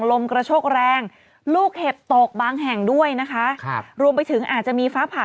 ลมกระโชกแรงลูกเห็บตกบางแห่งด้วยนะคะครับรวมไปถึงอาจจะมีฟ้าผ่า